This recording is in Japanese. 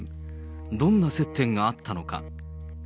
どんな接点があったのか。